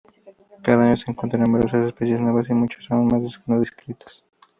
Cada año se encuentran numerosas especies nuevas y muchas aún no descritas.